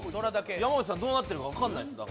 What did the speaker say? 山内さん、どうなってるか分からないですだから。